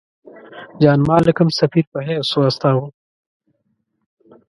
جان مالکم سفیر په حیث واستاوه.